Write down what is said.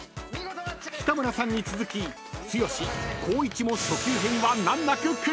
［北村さんに続き剛光一も初級編は難なくクリア］